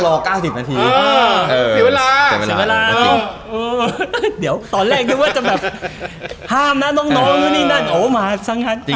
ตอนแรกนึกว่าจะแบบห้ามนะน้องนี่นั่นโอ้หมาสังหรัฐ